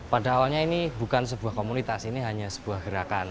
pada awalnya ini bukan sebuah komunitas ini hanya sebuah gerakan